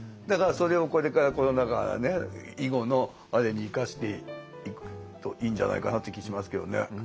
だからそれをこれからコロナ禍以後のあれに生かしていくといいんじゃないかなって気しますけどね。